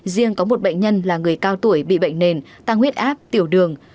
riêng có một bệnh nhân là người cao tuổi bị bệnh nền tăng huyết áp tiểu đường